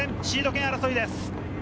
シード権争いです。